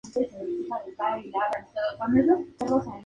Conforman el Santuario Nacional de Lagunas de Mejía.